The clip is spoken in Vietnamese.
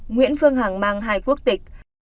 nguyễn phương hằng mang hai quốc tịch